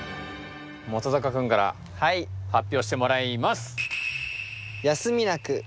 本君から発表してもらいます。